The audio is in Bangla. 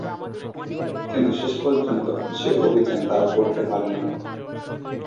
কিন্তু শেষ পর্যন্ত সে অভিযান তারা করতে পারেননি।